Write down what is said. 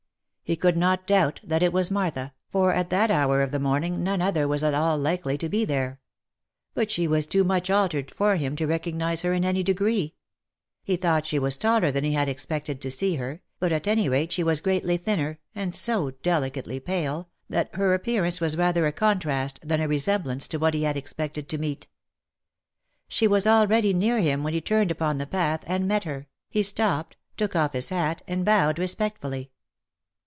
He could not doubt that it was Martha, for at that hour of the OF MICHAEL ARMSTRONG. 337 morning none other was at all likely to be there ; but she was too much altered for him to recognise her in any degree. He thought she was taller than he had expected to see her, but at any rate she was greatly thinner, and so delicately pale, that her appearance was rather a contrast, than a resemblance to what he had expected to meet. She was already near him when he turned upon the path, and met her. He stopped, took off his hat, and bowed respectfully.